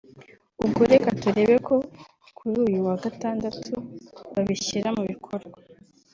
ubwo reka turebe ko kuri uyu wa Gatandatu babishyira mu bikorwa”